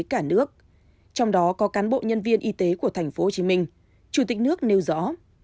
cả nước trong đó có cán bộ nhân viên y tế của tp hcm chủ tịch nước nêu rõ